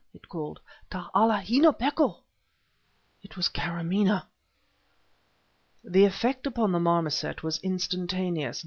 it called. "Ta'ala hina, Peko!" It was Karamaneh! The effect upon the marmoset was instantaneous.